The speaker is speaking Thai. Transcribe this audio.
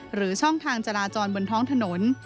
ช่องทางจราจรบนท้องถนน